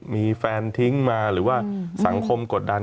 มีแฟนทิ้งมาหรือว่าสังคมกดดัน